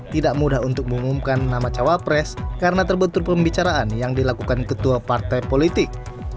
tidak mudah untuk mengumumkan nama cawapres karena terbentur pembicaraan yang dilakukan ketua partai politik